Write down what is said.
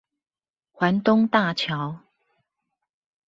環東大橋